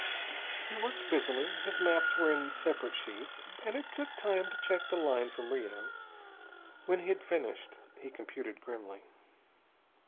He worked busily. His maps were in separate sheets, and it took time to check the line from Rio. When he had finished, he computed grimly.